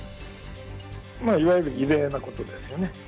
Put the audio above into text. いわゆる異例なことですよね。